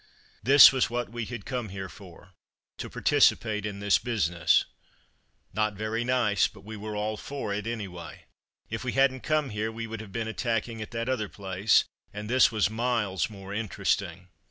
This was what we had come here for to participate in this business; not very nice, but we were all "for it," anyway. If we hadn't come here, we would have been attacking at that other place, and this was miles more interesting.